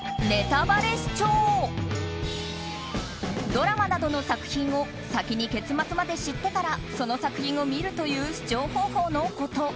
ドラマなどの作品を先に結末まで知ってからその作品を見るという視聴方法のこと。